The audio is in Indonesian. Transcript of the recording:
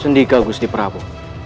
sendika gusti prabu